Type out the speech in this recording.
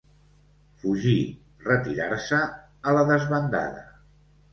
Fugir, retirar-se, a la desbandada.